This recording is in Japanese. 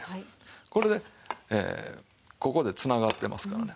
これでここでつながってますからね。